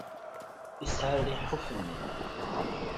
Yesεa rriḥa ufennan.